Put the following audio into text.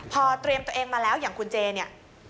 พอเตรียมตัวเองมาแล้วอย่างคุณเจเนี่ย